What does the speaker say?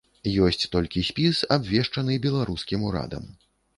Ёсць толькі спіс, абвешчаны беларускім урадам.